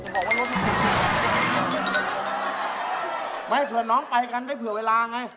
ไม่ให้เข้ามาไปกันไว้เผื่อเวลาไง